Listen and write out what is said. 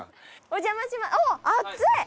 お邪魔しまおっ暑い！